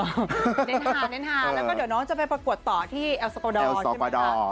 แล้วก็เดี๋ยวน้องจะไปประกวดต่อที่เอลโซโกดอล